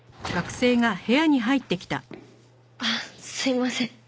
あっすいません。